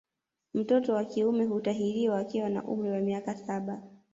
Mtoto wa kiume hutahiriwa akiwa na umri wa miaka saba